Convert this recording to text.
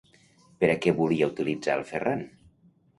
Per a què volia utilitzar el Ferràn?